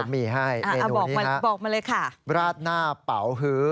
ครับบอกมาเลยค่ะเอนูนี่ครับราดหน้าเป่าฮื้อ